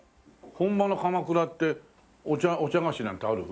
本場の鎌倉ってお茶菓子なんてある？